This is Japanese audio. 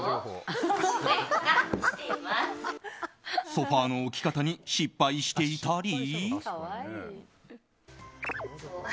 ソファの置き方に失敗していたり。